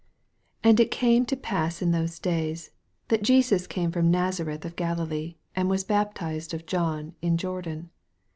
9 And it came to case in those days, that Jesus came from Nazareth pi Galilee, and was baptized of John, in Jordan.